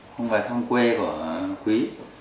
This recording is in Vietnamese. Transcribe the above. không về thăm quê của quý